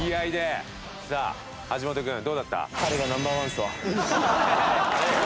さあ橋本君どうだった？